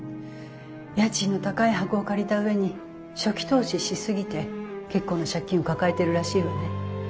家賃の高い箱を借りた上に初期投資し過ぎて結構な借金を抱えてるらしいわね。